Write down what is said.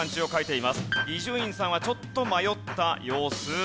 伊集院さんはちょっと迷った様子。